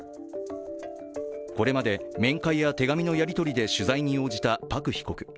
これまで面会や手紙のやり取りで取材に応じたパク被告。